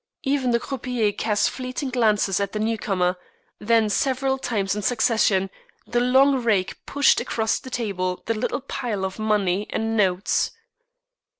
Even the croupiers cast fleeting glances at the new comer, when, several times in succession, the long rake pushed across the table the little pile of money and notes.